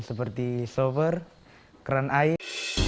seperti sofa keran air